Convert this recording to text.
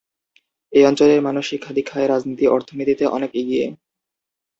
এই অঞ্চলের মানুষ শিক্ষা-দিক্ষায়, রাজনীতি অর্থনীতিতে অনেক এগিয়ে।